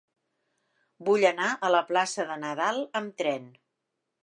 Vull anar a la plaça de Nadal amb tren.